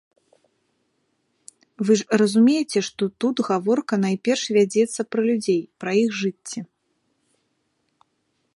Вы ж разумееце, што тут гаворка найперш вядзецца пра людзей, пра іх жыцці.